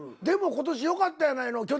でも今年よかったやないの。